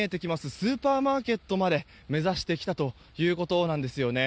スーパーマーケットまで目指してきたということです。